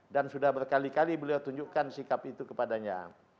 dan sudah berkali kali beliau tunjukkan sikap itu kepadanya